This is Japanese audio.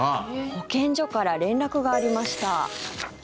保健所から連絡がありました。